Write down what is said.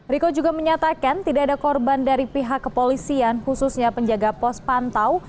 riko juga menyatakan tidak ada korban dari pihak kepolisian khususnya penjaga pos pantau